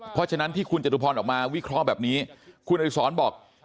เพราะฉะนั้นที่คุณจตุพรออกมาวิเคราะห์แบบนี้คุณอดิษรบอก